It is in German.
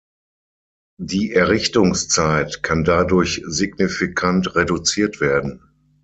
Die Errichtungszeit kann dadurch signifikant reduziert werden.